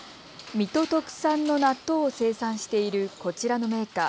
水戸特産の納豆を生産しているこちらのメーカー。